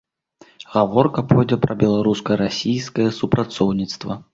Гаворка пойдзе пра беларуска-расійскае супрацоўніцтва.